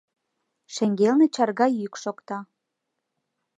Шеҥгелне чарга йӱк шокта: